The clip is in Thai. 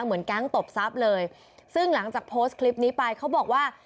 เหมือนแก๊งตบทรัพย์เลยซึ่งหลังจากโพสต์คลิปนี้ไปเขาบอกว่า